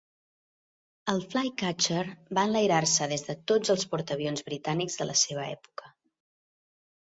El Flycatcher va enlairar-se des de tots els portaavions britànics de la seva època.